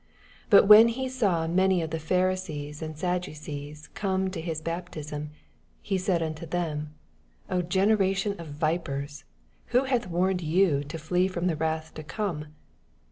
7 But when he saw many of the Pharisees and Sadducees come to his baptism, he said unto them, O gene ration of vipers, who hath warned you to flee from the wrath to come